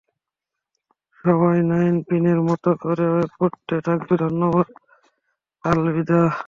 সবাই নাইনপিনের মত করে পড়তেই থাকবে ধন্যবাদ, আলবিদা।